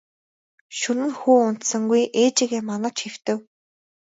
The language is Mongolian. Шөнө нь хүү унтсангүй ээжийгээ манаж хэвтэв.